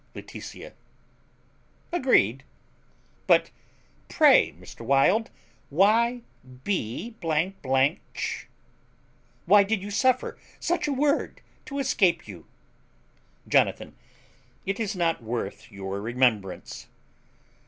Laetitia. Agreed. But pray, Mr. Wild, why b ch? Why did you suffer such a word to escape you? Jonathan. It is not worth your remembrance.